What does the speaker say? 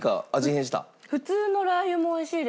普通のラー油も美味しいです。